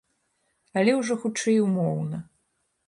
Але ўжо, хутчэй, умоўна.